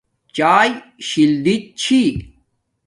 چایے شلری چھی